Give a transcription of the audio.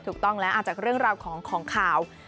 ถูกต้องแล้วจากเรื่องราวของข่าว